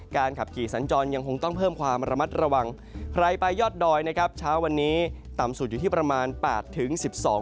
การขับกี่สัญจรยังคงต้องเพิ่มความระมัดระวัง